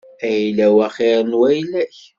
Ayla-w axir n wayla-k.